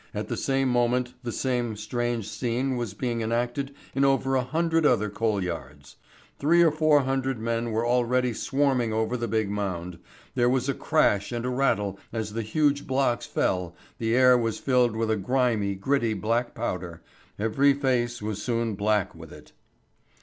At the same moment the same strange scene was being enacted in over a hundred other coal yards. Three or four hundred men were already swarming over the big mound, there was a crash and a rattle as the huge blocks fell, the air was filled with a grimy, gritty black powder, every face was soon black with it.